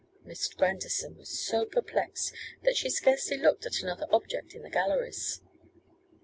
Miss Grandison was so perplexed that she scarcely looked at another object in the galleries.